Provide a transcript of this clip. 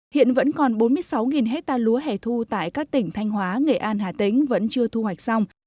hiện vẫn còn bốn mươi sáu hectare lúa hẻ thu tại các tỉnh thanh hóa nghệ an hà tĩnh vẫn chưa thu hoạch xong